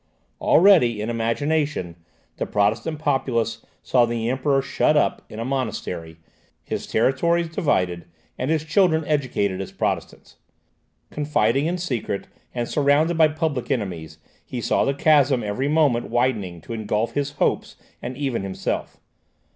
Already, in imagination, the Protestant populace saw the Emperor shut up in a monastery, his territories divided, and his children educated as Protestants. Confiding in secret, and surrounded by public enemies, he saw the chasm every moment widening to engulf his hopes and even himself.